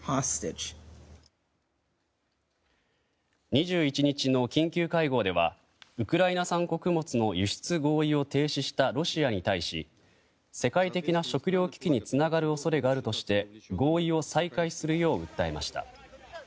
２１日の緊急会合ではウクライナ産穀物の輸出合意を停止したロシアに対し世界的な食糧危機につながる恐れがあるとして合意を再開するよう訴えました。